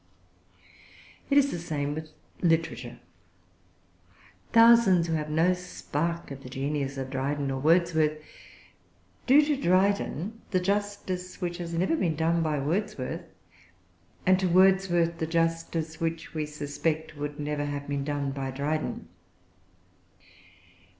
It is the same with literature. Thousands, who have no spark of the genius of Dryden or Wordsworth, do to Dryden the justice which has never been done by Wordsworth, and to Wordsworth the justice which, we suspect, would never have been done by Dryden.